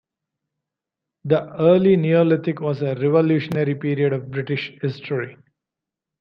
The Early Neolithic was a revolutionary period of British history.